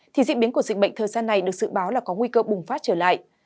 thì diễn biến của dịch bệnh thời gian này được dự báo là có nguy cơ bùng phát trở lại